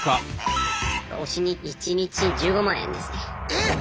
えっ！